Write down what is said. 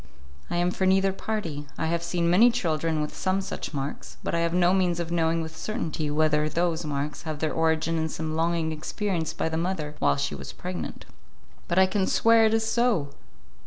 "I am for neither party; I have seen many children with some such marks, but I have no means of knowing with certainty whether those marks have their origin in some longing experienced by the mother while she was pregnant." "But I can swear it is so."